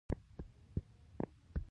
د قانون له مخې جذامي د میراث حق نه درلود.